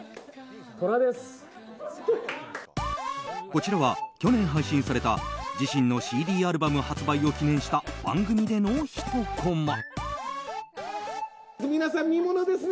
こちらは去年配信された自身のＣＤアルバム発売を記念した番組での、ひとコマ。